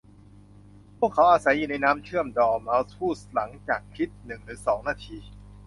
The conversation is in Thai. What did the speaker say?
'พวกเขาอาศัยอยู่ในน้ำเชื่อม' ดอร์เม้าส์พูดหลังจากคิดหนึ่งหรือสองนาที